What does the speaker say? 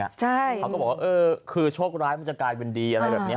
เขาก็บอกว่าคือช่วงร้ายมันจะกลายเป็นดีอะไรแบบนี้